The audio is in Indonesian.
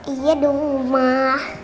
iya dong omah